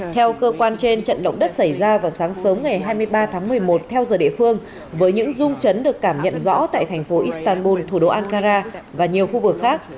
theo cơ quan trên trận động đất xảy ra vào sáng sớm ngày hai mươi ba tháng một mươi một theo giờ địa phương với những rung chấn được cảm nhận rõ tại thành phố istanbul thủ đô ankara và nhiều khu vực khác